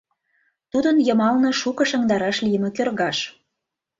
Тудын йымалне шуко шыҥдараш лийме кӧргаш.